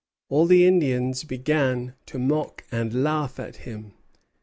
All the Indians began to mock and laugh at him.